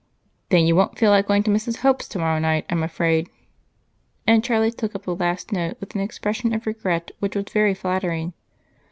"Then you won't feel like going to Mrs. Hope's tomorrow, I'm afraid," and Charlie took up the last note with an expression of regret which was very flattering.